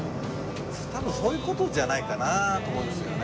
多分そういう事じゃないかなと思うんですよね。